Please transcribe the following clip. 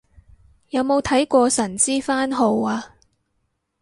有冇睇過神之番號啊